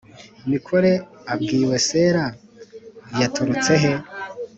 mikore abwiwe sera yaturutse he?